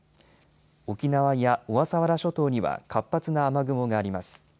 沖縄や小笠原諸島には活発な雨雲があります。